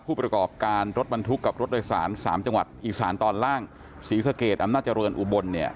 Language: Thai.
ผู้ประกอบการรถบรรทุกกับรถโดยสาร๓จังหวัดอีสานตอนล่างศรีสะเกดอำนาจเจริญอุบลเนี่ย